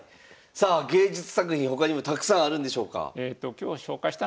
さあ芸術作品他にもたくさんあるんでしょうか？